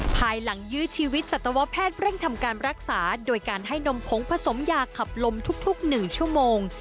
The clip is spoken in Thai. ภายหลังยื้อชีวิตสัตวแพทย์เร่งทำการรักษาโดยการให้นมผงผสมยาขับลมทุก๑ชั่วโมง